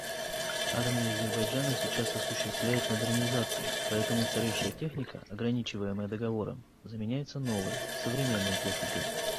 Армия Азербайджана сейчас осуществляет модернизацию, поэтому устаревшая техника, ограничиваемая Договором, заменяется новой, современной техникой.